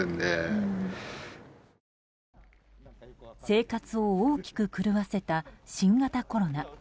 生活を大きく狂わせた新型コロナ。